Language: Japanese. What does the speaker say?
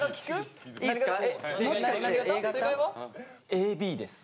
ＡＢです。